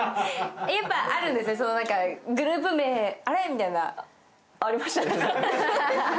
あ、やっぱ、あるんですね、グループ名、あれ？みたいな。